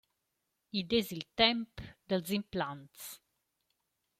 Id es il temp dals implants.